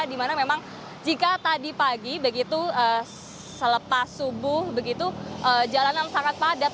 dimana memang jika tadi pagi begitu selepas subuh begitu jalanan sangat padat